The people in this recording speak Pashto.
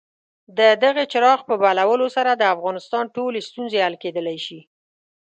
د دغه څراغ په بلولو سره د افغانستان ټولې ستونزې حل کېدلای شي.